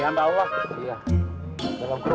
aduh jangan ya